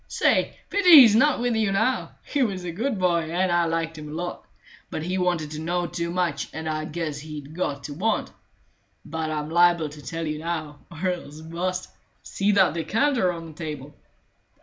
Say, pity he's not with you now; he was a good boy, and I liked him a lot; but he wanted to know too much, and I guess he'd got to want. But I'm liable to tell you now, or else bu'st. See that decanter on the table?"